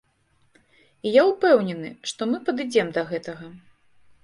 І я ўпэўнены, што мы падыдзем да гэтага.